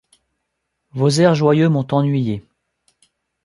Vos airs joyeux m’ont ennuyé.